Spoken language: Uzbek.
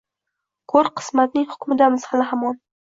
Koʼr qismatning hukmidamiz hali hamon